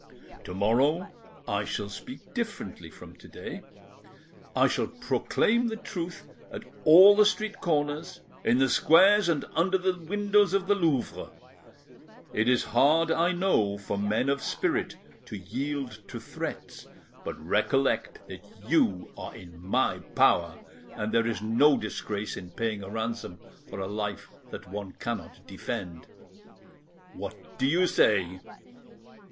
To morrow I shall speak differently from to day: I shall proclaim the truth at all the street corners, in the squares, and under the windows of the Louvre. It is hard, I know, for men of spirit to yield to threats, but recollect that you are in my power and that there is no disgrace in paying a ransom for a life that one cannot defend. What do you say?"